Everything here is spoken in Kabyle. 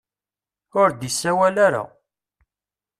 Ur d-isawal ara.